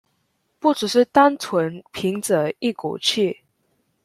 不只是單純憑著一股氣